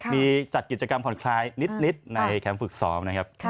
มีจัดกิจกรรมผ่อนคลายนิดในแคมป์ฝึกซ้อมนะครับ